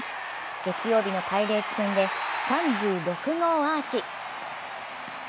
月曜日のパイレーツ戦で３６号アーチ。